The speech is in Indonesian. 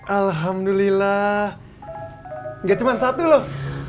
alhamdulillah gak cuma satu loh